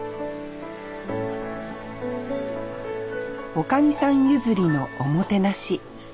おかみさん譲りのおもてなし。